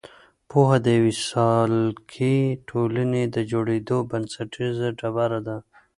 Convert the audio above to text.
پوهه د یوې سالکې ټولنې د جوړېدو بنسټیزه ډبره ده.